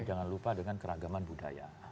jangan lupa dengan keragaman budaya